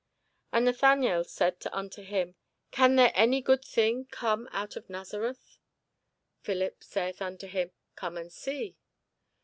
And Nathanael said unto him, Can there any good thing come out of Nazareth? Philip saith unto him, Come and see.